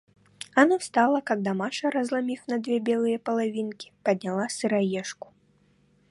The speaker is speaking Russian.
Она встала, когда Маша, разломив на две белые половинки, подняла сыроежку.